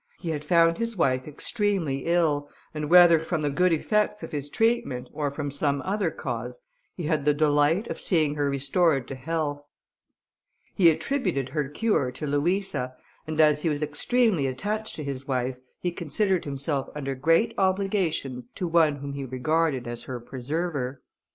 He had found his wife extremely ill, and whether from the good effects of his treatment, or from some other cause, he had the delight of seeing her restored to health. He attributed her cure to Louisa, and as he was extremely attached to his wife, he considered himself under great obligations to one whom he regarded as her preserver.